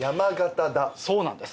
そうなんです。